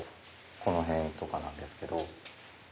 この辺とかなんですけど。